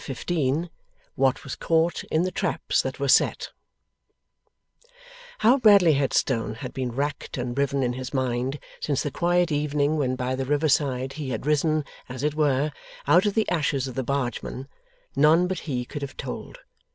Chapter 15 WHAT WAS CAUGHT IN THE TRAPS THAT WERE SET How Bradley Headstone had been racked and riven in his mind since the quiet evening when by the river side he had risen, as it were, out of the ashes of the Bargeman, none but he could have told.